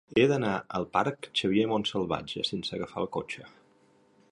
He d'anar al parc de Xavier Montsalvatge sense agafar el cotxe.